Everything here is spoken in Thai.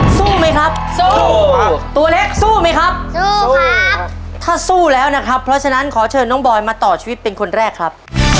สู้ไหมครับสู้ตัวเล็กสู้ไหมครับสู้ครับถ้าสู้แล้วนะครับเพราะฉะนั้นขอเชิญน้องบอยมาต่อชีวิตเป็นคนแรกครับ